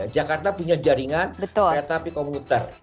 jakarta punya jaringan retapi komputer